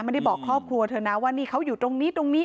ไม่ได้บอกครอบครัวเธอนะว่านี่เขาอยู่ตรงนี้ตรงนี้